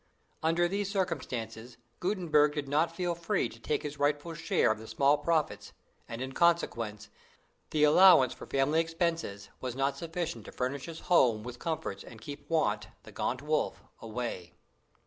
Under these circumstances, Gutenberg did not feel free to take his rightful share of the small profits, and, in consequence, the allowance for family expenses was not sufficient to furnish his home with comforts and keep Want, the gaunt wolf, away.